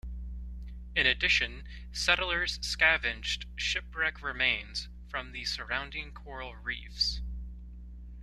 In addition, settlers scavenged shipwreck remains from the surrounding coral reefs.